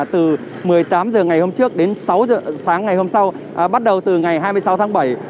từ một mươi tám h ngày hôm trước đến sáu h sáng ngày hôm sau bắt đầu từ ngày hai mươi sáu tháng bảy